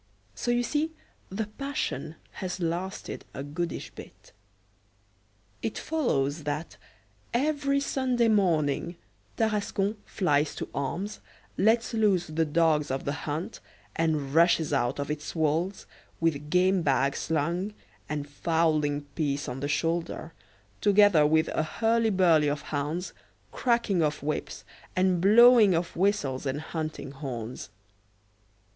So you see the passion has lasted a goodish bit. It follows that, every Sunday morning, Tarascon flies to arms, lets loose the dogs of the hunt, and rushes out of its walls, with game bag slung and fowling piece on the shoulder, together with a hurly burly of hounds, cracking of whips, and blowing of whistles and hunting horns.